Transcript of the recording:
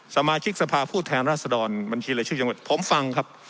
สมาชิกสภาพผู้แทนราชดรบัญชีรายชื่อจังหวัดผมฟังครับ